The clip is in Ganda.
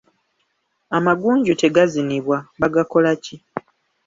Amagunju tegazinibwa, bagakola ki?